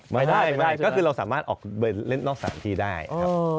ไม่ได้ก็คือเราสามารถออกไปเล่นนอกสถานที่ได้ครับ